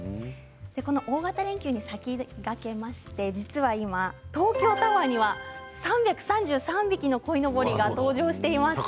この大型連休に先駆けまして実は今、東京タワーには３３３匹のこいのぼりが登場しています。